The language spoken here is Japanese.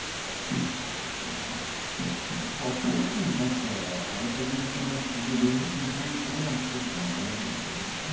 アクションシーンに関してはあらかじめ尺厳密に決めるっていうよりはそこそこ長めでも大丈夫だと？